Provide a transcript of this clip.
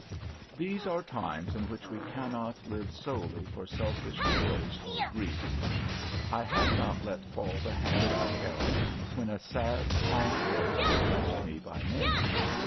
These are times in which we cannot live solely for selfish joys or griefs. I had not let fall the hand I held, when a sad, calm voice addressed me by name.